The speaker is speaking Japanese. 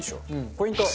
ポイント。